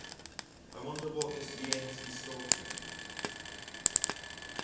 I wonder what this year has in store for me?